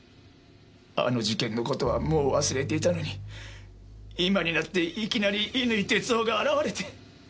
あの事件の事はもう忘れていたのに今になっていきなり乾哲夫が現れて。